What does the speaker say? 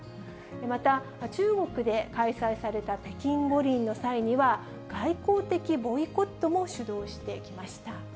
また、中国で開催された北京五輪の際には、外交的ボイコットも主導してきました。